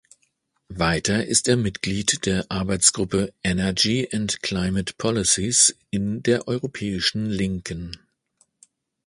Weiter ist er Mitglied der Arbeitsgruppe "Energy and Climate Policies" in der Europäischen Linken.